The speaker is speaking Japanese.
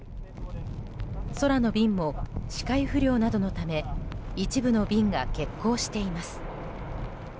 空の便も視界不良のなどのため一部の便が欠航しています。